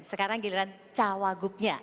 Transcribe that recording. sekarang giliran cawagupnya